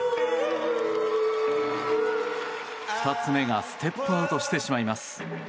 ２つ目がステップアウトしてしまいます。